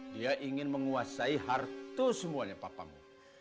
dia ingin menguasai harta semuanya bapamu